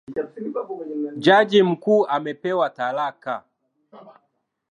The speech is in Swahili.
Jaji mkuu amepewa talaka.